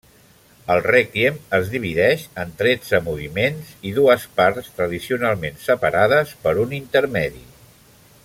El Rèquiem es divideix en tretze moviments i dues parts tradicionalment separades per un intermedi.